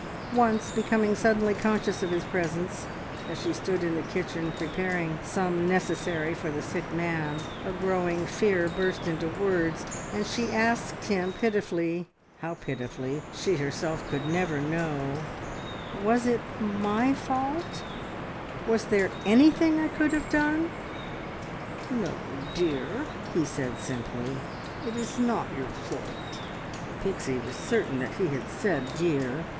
Once, becoming suddenly conscious of his presence, as she stood in the kitchen preparing some necessary for the sick man, a growing fear burst into words, and she asked him pitifully how pitifully she herself could never know "Was it my fault? Was there anything I could have done?" "No, dear," he said simply. "It is not your fault." Pixie was certain that he had said "dear."